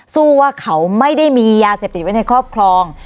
สู้ว่าเขาไม่ได้มียาเสพติดไว้ในครอบครอง